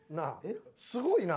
すごいな。